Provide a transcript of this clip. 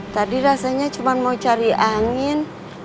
tadi rasanya cuma mau cari angin